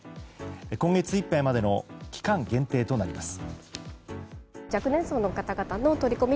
今月いっぱいまでの期間限定となります。